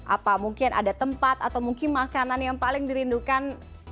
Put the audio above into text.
apa mungkin ada tempat atau mungkin makanan yang paling dirindukan